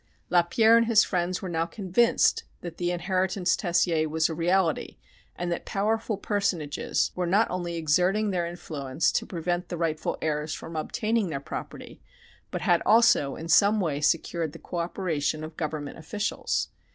Lapierre and his friends were now convinced that the inheritance Tessier was a reality, and that powerful personages were not only exerting their influence to prevent the rightful heirs from obtaining their property, but had also in some way secured the cooperation of government officials.